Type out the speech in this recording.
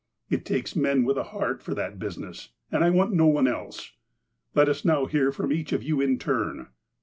It takes men with a heart for that business, and I want no one else. Let us now hear from each of you in turn.